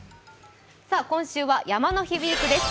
今週は山の日ウィークです。